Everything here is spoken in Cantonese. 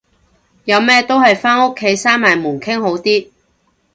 有咩都係返屋企閂埋門傾好啲